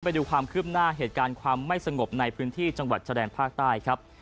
ไปดูความคืบหน้าเหตุการณ์ความไม่สงบในพื้นที่จังหวัดชะแดนภาคใต้ครับ